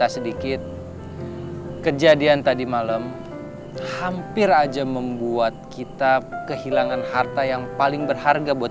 sedikit kejadian tadi malam hampir aja membuat kita kehilangan harta yang paling berharga buat